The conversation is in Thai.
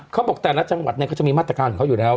เขาบอกแต่ละจังหวัดเนี่ยเขาจะมีมาตรการของเขาอยู่แล้ว